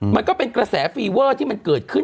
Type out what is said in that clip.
มันก็เป็นกระแสฟีเวอร์ที่มันเกิดขึ้น